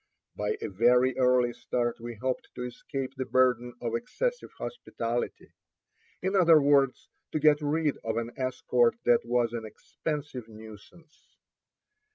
By a very early start we hoped to escape the burden of excessive hospitality; in other words, to get rid of an escort that was an expensive nuisance.